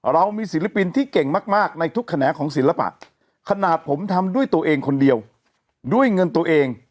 เรามีศิลปินที่เก่งมากในทุกแขนงของศิลปะขนาดผมทำด้วยตัวเองคนเดียวด้วยเงินตัวเอง